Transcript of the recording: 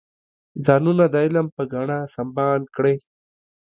ځانونه د علم په ګاڼه سنبال کړئ.